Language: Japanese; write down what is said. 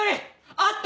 あった！